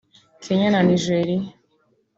Kenya na Nigeria